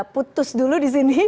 putus dulu di sini